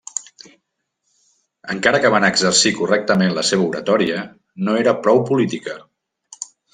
Encara que van exercir correctament la seva oratòria no era prou política.